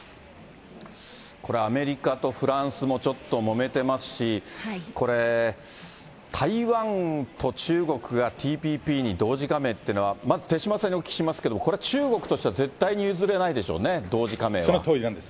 これ、アメリカとフランスもちょっともめてますし、これ、台湾と中国がＴＰＰに同時加盟っていうのは、まず手嶋さんにお聞きしますけれども、これ、中国としては絶対にそのとおりなんです。